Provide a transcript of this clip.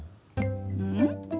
うん？